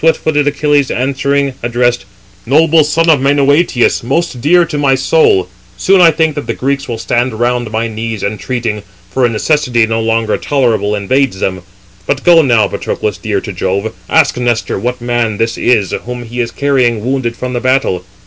But him swift footed Achilles answering, addressed: "Noble son of Menœtius, most dear to my soul, soon I think that the Greeks will stand round my knees entreating, for a necessity no longer tolerable invades them. But go now, Patroclus, dear to Jove, ask Nestor what man this is whom he is carrying wounded from the battle.